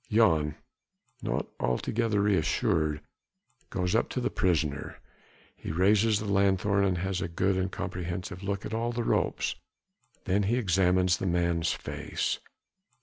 Jan not altogether re assured goes up to the prisoner. He raises the lanthorn and has a good and comprehensive look at all the ropes. Then he examines the man's face.